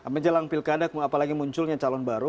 menjelang pilkada apalagi munculnya calon baru